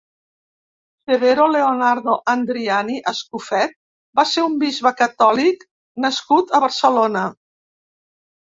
Severo Leonardo Andriani Escofet va ser un bisbe catòlic nascut a Barcelona.